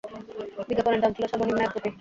বিজ্ঞাপনের দাম ছিল সর্ব নিম্ন এক রুপি।